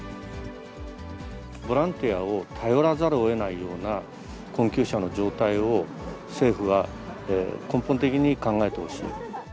ボランティアを頼らざるをえないような困窮者の状態を、政府は根本的に考えてほしい。